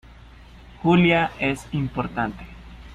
Julia, es importante.